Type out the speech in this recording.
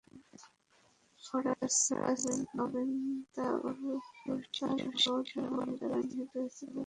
ফারাজ, অবিন্তা, তারুশিসহ যাঁরা নিহত হয়েছেন, তাঁদের পরিবার-পরিজনকে সান্ত্বনা দেওয়া সম্ভব নয়।